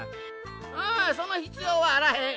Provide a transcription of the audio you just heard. ああそのひつようはあらへん。